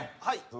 はい。